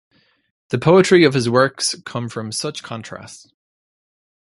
The poetry of his works comes from such contrasts.